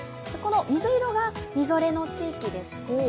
水色がみぞれの地域です。